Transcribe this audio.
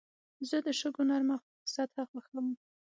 زه د شګو نرمه سطحه خوښوم.